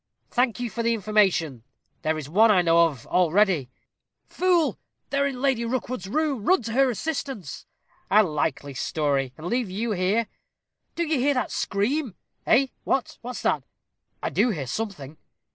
"Thank you for the information. There is one I know of already." "Fool, they are in Lady Rookwood's room. Run to her assistance." "A likely story, and leave you here." "Do you hear that scream?" "Eh, what what's that? I do hear something."